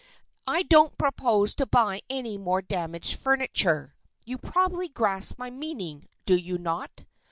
I don't propose to buy any more damaged furniture. You probably grasp my meaning, do you not?